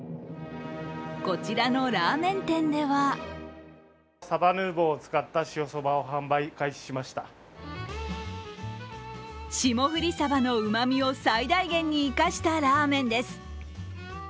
こちらのラーメン店では霜降りサバのうまみを最大限に生かしたラーメンです。